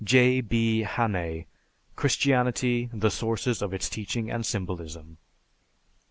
(_J. B. Hannay, "Christianity, the Sources of its Teaching and Symbolism."